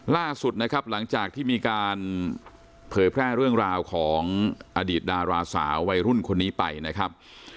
ล่าสุดนะครับหลังจากที่มีการเผยแพร่เรื่องราวของอดีตดาราสาววัยรุ่นคนนี้ไปนะครับ